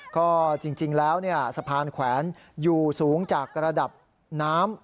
ก็จริงแล้วสะพานแขวนอยู่สูงจากระดับน้ำ